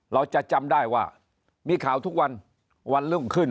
เราจะจำได้ว่ามีข่าวทุกวันวันรุ่งขึ้น